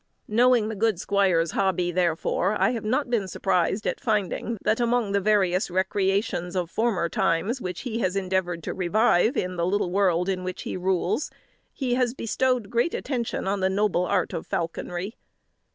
'" Knowing the good squire's hobby, therefore, I have not been surprised at finding that, among the various recreations of former times which he has endeavoured to revive in the little world in which he rules, he has bestowed great attention on the noble art of falconry.